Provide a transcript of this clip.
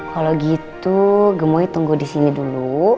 kalau gitu gemoy tunggu disini dulu